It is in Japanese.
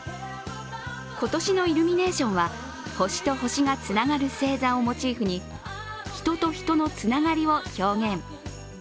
今年のイルミネーションは星と星がつながる正座をモチーフに人と人のつながりを表現。